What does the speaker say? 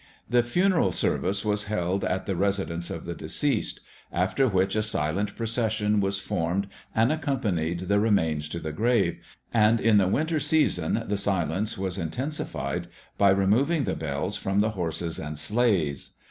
The funeral service was held at the residence of the deceased, after which a silent procession was formed and accompanied the remains to the grave, and in the winter season the silence was intensified by removing the bells from the horses and sleighs.